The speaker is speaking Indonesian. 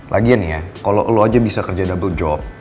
lagian ya kalau lo aja bisa kerja double job